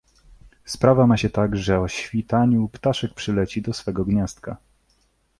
"Sprawa ma się tak, że o świtaniu ptaszek przyleci do swego gniazdka."